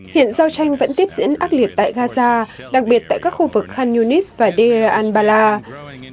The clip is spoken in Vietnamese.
hiện giao tranh vẫn tiếp diễn ác liệt tại gaza đặc biệt tại các khu vực khan yunis và deal al bala